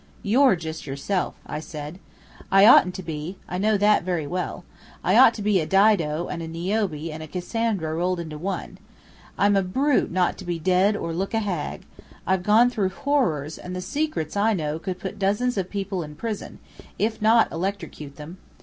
"You're just yourself," I said. "I oughtn't to be. I know that very well. I ought to be a Dido and Niobe and Cassandra rolled into one. I'm a brute not to be dead or look a hag. I've gone through horrors, and the secrets I know could put dozens of people in prison, if not electrocute them.